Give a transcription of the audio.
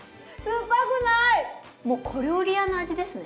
もう小料理屋の味ですね。